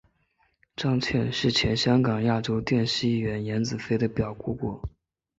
张茜是前香港亚洲电视艺员颜子菲的表姑姑。